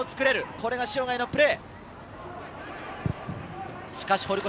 これが塩貝のプレー。